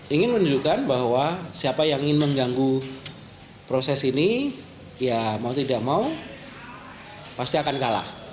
ingin menunjukkan bahwa siapa yang ingin mengganggu proses ini ya mau tidak mau pasti akan kalah